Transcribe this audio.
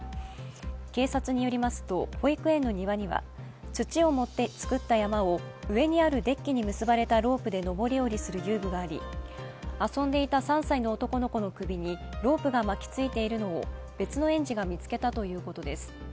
警察によりますと保育園の庭には土を盛って作った山を上にあるデッキに結ばれたロープで登り降りする遊具があり遊んでいた３歳の男の子の首にロープが巻き付いているのを別の園児が見つけたということです。